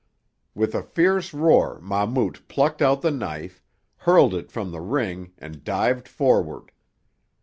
With a fierce roar Mahmout plucked out the knife, hurled it from the ring and dived forward.